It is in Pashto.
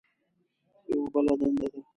یوه بله دنده ده.